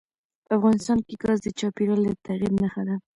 افغانستان کې ګاز د چاپېریال د تغیر نښه ده.